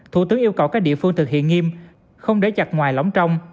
thủ tướng yêu cầu các địa phương thực hiện nghiêm không để chặt ngoài lỏng trong